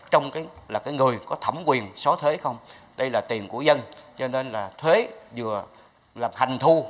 trong là người có thẩm quyền xóa thuế không đây là tiền của dân cho nên là thuế vừa là hành thu